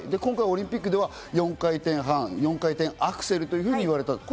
今回はオリンピックでは４回転半、４回転アクセルと認定された。